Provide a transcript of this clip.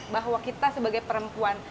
bahwa kita sebagai perempuan